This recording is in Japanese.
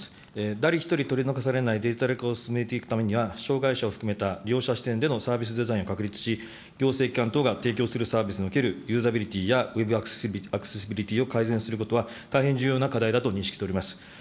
誰一人取り残されないデジタル化を進めていくためには、障害者を含めた利用者視点でのサービスデザインを確立し、行政機関等が提供するサービスにおけるユーザビリティやウェブアクセシビリティを改善することは、大変重要な課題だと認識しております。